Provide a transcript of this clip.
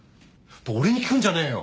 俺に聞くんじゃねえよ。